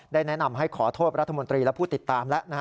แนะนำให้ขอโทษรัฐมนตรีและผู้ติดตามแล้ว